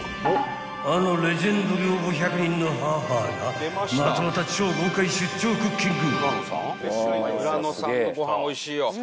［あのレジェンド寮母１００人の母がまたまた超豪快出張クッキング］